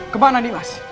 kemana nih mas